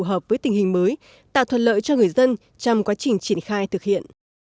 phù hợp với tình hình mới tạo thuận lợi cho người dân trong quá trình triển khai thực hiện